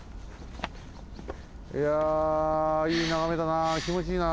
いやいいながめだなきもちいいな。